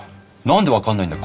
何で分かんないんだ。